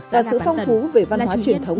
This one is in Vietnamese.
và sự phong phú về văn hóa truyền thống